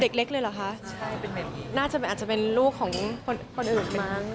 เล็กเลยเหรอคะใช่น่าจะอาจจะเป็นลูกของคนอื่นมั้ง